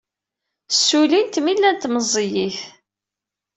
Ssullint mi llant meẓẓiyit.